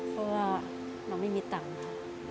เพราะว่าเราไม่มีตังค์ค่ะ